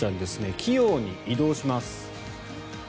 器用に移動します。